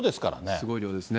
すごい量ですね。